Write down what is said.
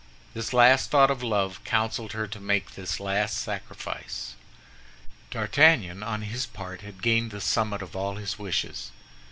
This last thought of love counseled her to make this last sacrifice. D'Artagnan, on his part, had gained the summit of all his wishes.